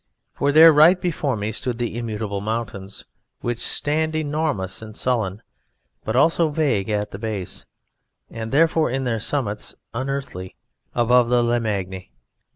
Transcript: For there right before me stood the immutable mountains, which stand enormous and sullen, but also vague at the base, and, therefore, in their summits, unearthly, above the Limagne.